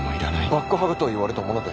バックハグと言われたもので。